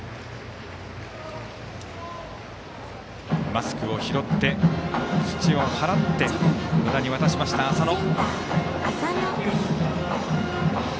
マスクを拾って土を払って野田に渡しました、浅野。